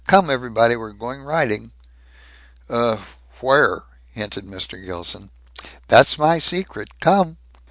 Come, everybody. We're going riding." "Uh, where ?" hinted Mr. Gilson. "That's my secret. Come!"